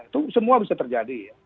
itu semua bisa terjadi